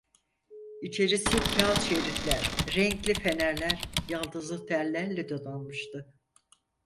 İçerisi kâğıt şeritler, renkli fenerler, yaldızlı tellerle donanmıştı.